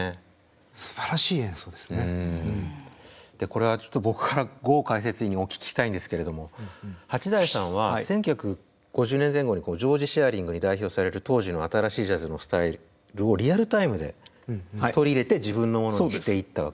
これはちょっと僕からゴウかいせついんにお聞きしたいんですけれども八大さんは１９５０年前後にジョージ・シアリングに代表される当時の新しいジャズのスタイルをリアルタイムで取り入れて自分のものにしていったわけですよね？